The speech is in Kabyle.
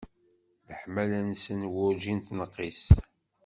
Leḥmala-nsen werǧin tenqis.